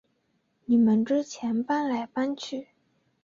你们之前搬来搬去